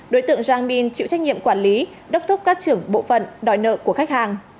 đối tượng giang minh chịu trách nhiệm quản lý đốc thúc các trưởng bộ phận đòi nợ của khách hàng